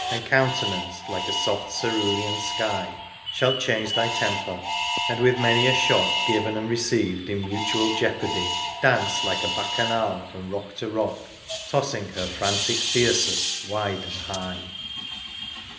And countenanced like a soft cerulean sky, Shalt change thy temper ; and, with many a shock Given and received in mutual jeopardy, Dance like a Bacchanal from rock to rock, Tossing her frantic thyrsus wide and high